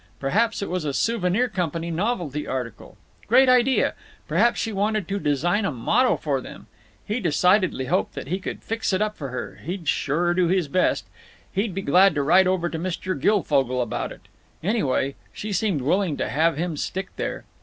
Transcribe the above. Perhaps it was a Souvenir Company novelty article. Great idea! Perhaps she wanted to design a motto for them. He decidedly hoped that he could fix it up for her—he'd sure do his best. He'd be glad to write over to Mr. Guilfogle about it. Anyway, she seemed willing to have him stick here.